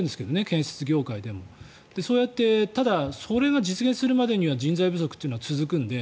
建設業界でもそうやってただ、それが実現するまでは人材不足というのは続くので。